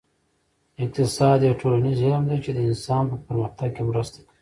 اقتصاد یو ټولنیز علم دی چې د انسان په پرمختګ کې مرسته کوي